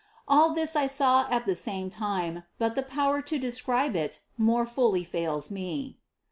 All this I saw at the same time, but the power to describe it more fully fails me.